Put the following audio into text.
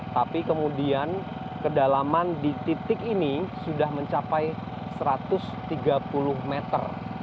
tapi kemudian kedalaman di titik ini sudah mencapai satu ratus tiga puluh meter